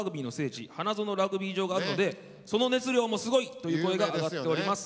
花園ラグビー場があるのでその熱量もすごいという声が上がっております。